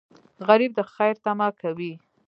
غریب د خیر تمه کوي